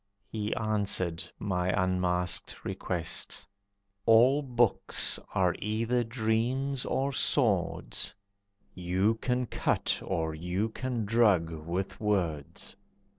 He answered my unasked request: "All books are either dreams or swords, You can cut, or you can drug, with words.